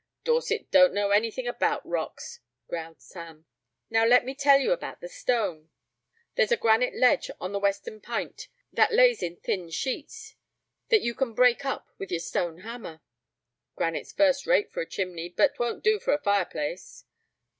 "Dorset don't know anything about rocks," growled Sam. "Now, let me tell you about the stone. There's a granite ledge on the western p'int that lays in thin sheets, that you can break up with your stone hammer." "Granite's first rate for a chimney, but 'twont do for a fireplace."